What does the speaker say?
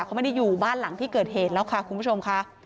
เขาไม่ได้อยู่บ้านหลังที่เกิดเหตุแล้วค่ะคุณผู้ชมค่ะ